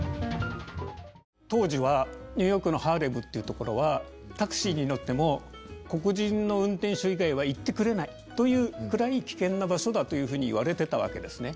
当時はニューヨークのハーレムっていうところはタクシーに乗っても黒人の運転手以外は行ってくれないというくらい危険な場所だというふうに言われてたわけですね。